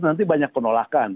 nanti banyak penolakan